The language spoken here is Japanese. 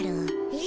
え